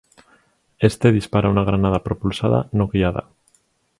Éste dispara una granada propulsada no guiada.